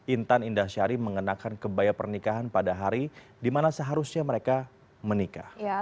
intan indah syari mengenakan kebaya pernikahan pada hari di mana seharusnya mereka menikah